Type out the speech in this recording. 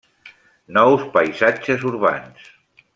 Nous paisatges urbans.